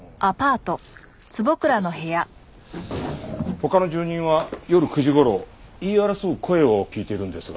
他の住人は夜９時頃言い争う声を聞いているんですが。